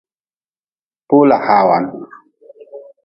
Pola hawan.